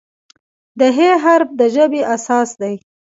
د "ه" حرف د ژبې اساس دی.